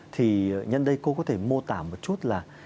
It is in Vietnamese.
thì nhân đây cô có thể mô tả một chút là